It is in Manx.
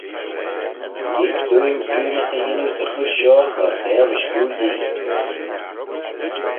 Lhig dooin briwnys y yannoo 'sy chooish shoh cordail rish goo Yee.